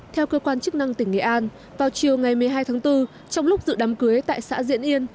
theo cơ quan chức năng tỉnh nghệ an vào chiều ngày một mươi hai tháng bốn trong lúc dự đám cưới tại xã diễn yên